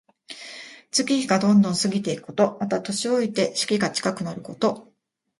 月日がどんどん過ぎていくこと。また、年老いて死期が近くなること。